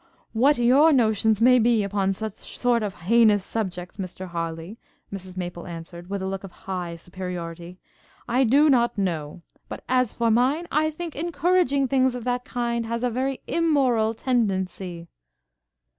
'What your notions may be upon such sort of heinous subjects, Mr Harleigh,' Mrs Maple answered, with a look of high superiority, 'I do not know; but as for mine, I think encouraging things of that kind, has a very immoral tendency.'